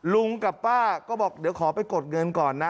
ลุงกับป้าก็บอกเดี๋ยวขอไปกดเงินก่อนนะ